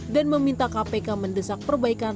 dan meminta kpk mendesak perbaikan